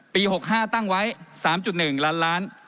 ๖๕ตั้งไว้๓๑ล้านล้าน